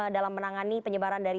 dalam menangani penyebaran dari